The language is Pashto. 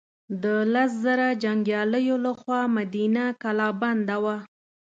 د لس زره جنګیالیو له خوا مدینه کلا بنده وه.